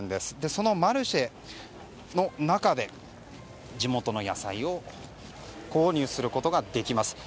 そのマルシェの中で地元の野菜を購入することができます。